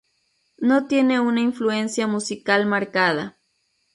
No tiene una influencia musical marcada.